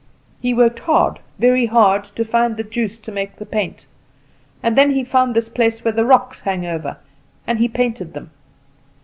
He worked hard, very hard, to find the juice to make the paint; and then he found this place where the rocks hang over, and he painted them.